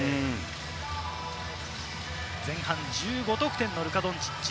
前半１５得点のルカ・ドンチッチ。